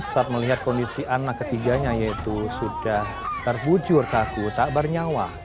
saat melihat kondisi anak ketiganya yaitu sudah terbujur kaku tak bernyawa